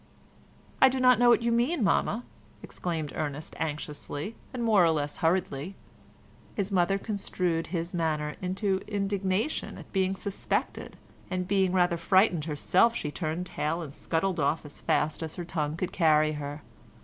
"I do not know what you mean, mamma," exclaimed Ernest anxiously and more or less hurriedly. His mother construed his manner into indignation at being suspected, and being rather frightened herself she turned tail and scuttled off as fast as her tongue could carry her.